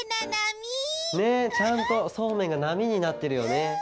ねっちゃんとそうめんがなみになってるよね。